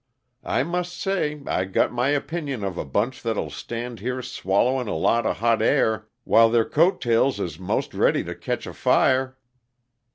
"I must say I got my opinion of a bunch that'll stand here swallowin' a lot of hot air, while their coat tails is most ready to ketch afire!"